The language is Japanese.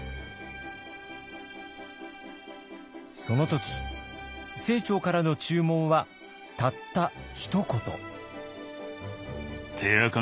その時清張からの注文はたったひと言。